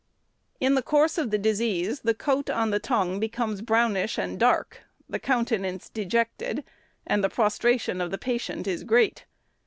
In the course of the disease, the coat on the tongue becomes brownish and dark, the countenance dejected, and the prostration of the patient is great.